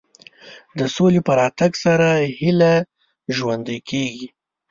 د سولې په راتګ سره هیله ژوندۍ کېږي.